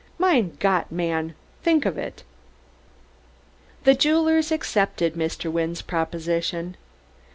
Mein Gott, man! Think of id!" The jewelers accepted Mr. Wynne's proposition.